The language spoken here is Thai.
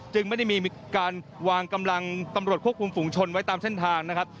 ไม่ได้มีการวางกำลังตำรวจควบคุมฝุงชนไว้ตามเส้นทางนะครับ